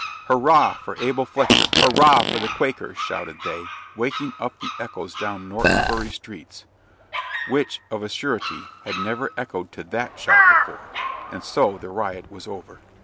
"Hurrah for Abel Fletcher! hurrah for the Quakers!" shouted they, waking up the echoes down Norton Bury streets; which, of a surety, had never echoed to THAT shout before. And so the riot was over.